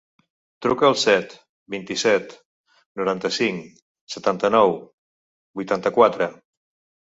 Truca al set, vint-i-set, noranta-cinc, setanta-nou, vuitanta-quatre.